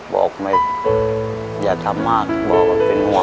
บอกไม่อย่าทำมากบอกว่าเป็นห่วง